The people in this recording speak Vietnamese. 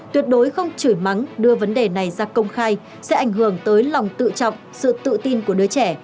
tuyệt đối không chửi mắng đưa vấn đề này ra công khai sẽ ảnh hưởng tới lòng tự trọng sự tự tin của đứa trẻ